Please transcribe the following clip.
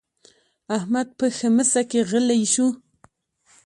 احمد په ښمڅه کې غلی شو.